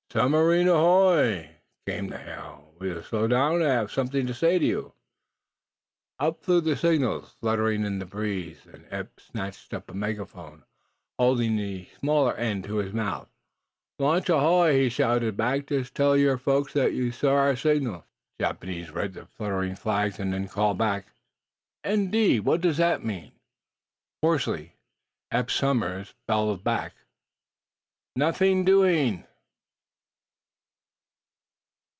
"Submarine, a ho o o oy!" came the hail. "Will you slow down? I have something to say to you." Up flew the signal flags, fluttering in the breeze. Then Eph snatched up a megaphone, holding the smaller end to his mouth. "Launch ahoy!" he shouted back. "Just tell your folks that you saw our signal!" The Japanese read the fluttering flags, then called back: "N.D.? What does that mean?" Hoarsely Eph Somers bellowed back: "_Nothing doing!